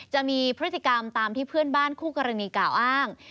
จะมีพฤติกรรมตามที่เพื่อนบ้านคู่กรณีกล่าวอ้าง